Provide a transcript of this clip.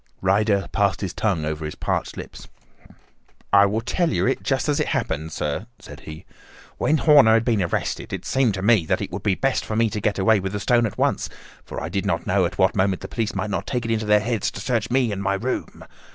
Ryder passed his tongue over his parched lips. "I will tell you it just as it happened, sir," said he. "When Horner had been arrested, it seemed to me that it would be best for me to get away with the stone at once, for I did not know at what moment the police might not take it into their heads to search me and my room.